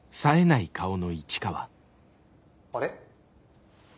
あれ？